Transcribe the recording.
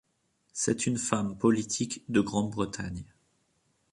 C'est une femme politique de Grande-Bretagne.